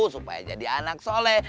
supaya jadi anak soleh